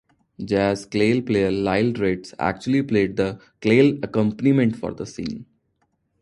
Jazz ukulele player Lyle Ritz actually played the ukulele accompaniment for the scene.